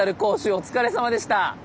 お疲れさまでした。